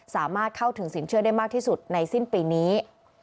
สามารถเข้าถึงสินเชื่อได้มากที่สุดในสิ้นปีนี้